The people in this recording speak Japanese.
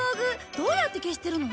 どうやって消してるの？